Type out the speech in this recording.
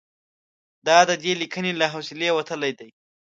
دا د دې لیکنې له حوصلې وتلي دي.